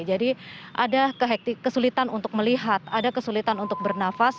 jadi ada kesulitan untuk melihat ada kesulitan untuk bernafas